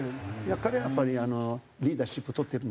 彼はやっぱりリーダーシップ取ってる。